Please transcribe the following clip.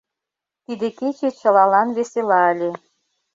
Тиде кече чылалан весела ыле.